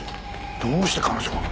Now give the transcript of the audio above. どうして彼女が？